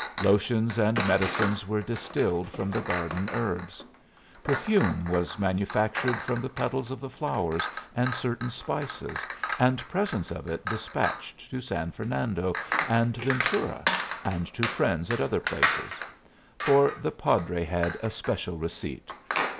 Lotions and medicines were distilled from the garden herbs. Perfume was manufactured from the petals of the flowers and certain spices, and presents of it despatched to San Fernando and Ventura, and to friends at other places; for the padre had a special receipt.